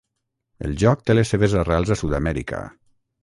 El joc té les seves arrels a Sud-amèrica.